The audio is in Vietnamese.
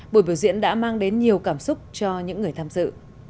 buổi biểu diễn đã mang đến nhiều cảm xúc cho những người tham dự